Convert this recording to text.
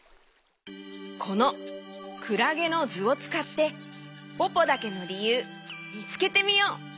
このクラゲのずをつかってポポだけのりゆうみつけてみよう！